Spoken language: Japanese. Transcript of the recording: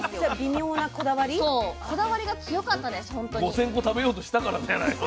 ５，０００個食べようとしたからじゃないの？